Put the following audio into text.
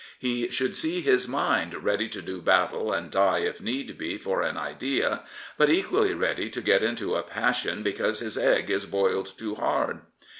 He should see his mind ready to do battle and die, if need be, for an idea, but equally ready to get into a passion because his egg is boiled too hard.